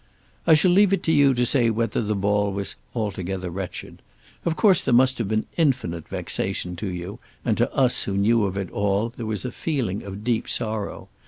I shall leave it to you to say whether the ball was "altogether wretched." Of course there must have been infinite vexation to you, and to us who knew of it all there was a feeling of deep sorrow.